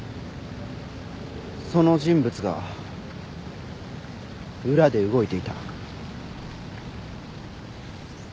その人物が裏で動いていた。